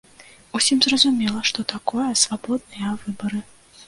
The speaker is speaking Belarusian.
Усім зразумела, што такое свабодныя выбары.